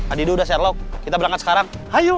adidu udah sherlock kita berangkat sekarang hayuk